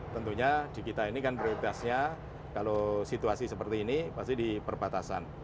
tentunya di kita ini kan prioritasnya kalau situasi seperti ini pasti di perbatasan